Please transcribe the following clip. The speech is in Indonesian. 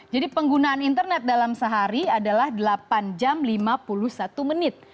jadi penggunaan internet dalam sehari adalah delapan jam lima puluh satu menit